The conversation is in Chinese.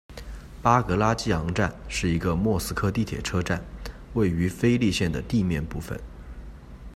巴格拉季昂站是一个莫斯科地铁车站，位于菲利线的地面部分。